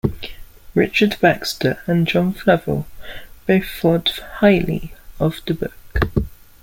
Richard Baxter and John Flavel both thought highly of the book.